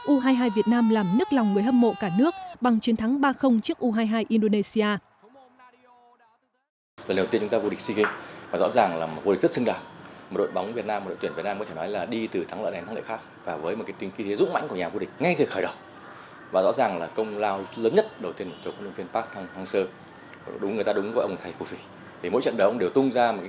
u hai mươi hai việt nam làm nức lòng người hâm mộ cả nước bằng chiến thắng ba trước u hai mươi hai indonesia